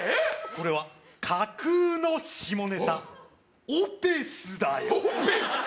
これは架空の下ネタオペスだよオペス？